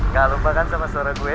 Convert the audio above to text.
gak lupa kan sama suara gue